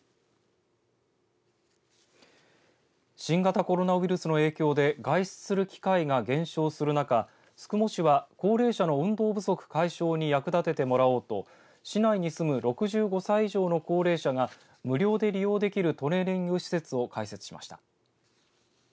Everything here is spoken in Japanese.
新型コロナウイルスの影響で外出する機会が減少する中宿毛市は、高齢者の運動不足解消に役立ててもらおうと市内に住む６５歳以上の高齢者が無料で利用できるトレーニング施設を開設しました。